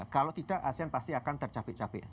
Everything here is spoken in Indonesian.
kalau tidak asean pasti akan tercapek capek